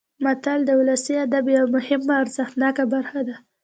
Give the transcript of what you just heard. متل د ولسي ادب یوه مهمه او ارزښتناکه برخه ده